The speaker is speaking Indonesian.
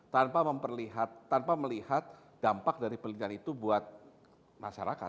tanpa melihat dampak dari penelitian itu buat masyarakat